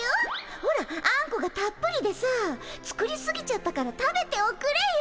ほらあんこがたっぷりでさ作りすぎちゃったから食べておくれよ。